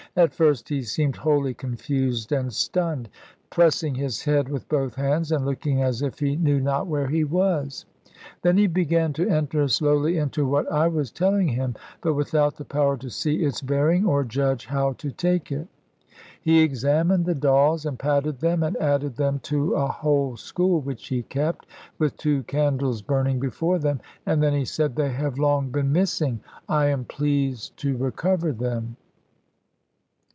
At first he seemed wholly confused and stunned, pressing his head with both hands, and looking as if he knew not where he was. Then he began to enter slowly into what I was telling him, but without the power to see its bearing, or judge how to take it. He examined the dolls, and patted them, and added them to a whole school which he kept, with two candles burning before them. And then he said, "They have long been missing: I am pleased to recover them."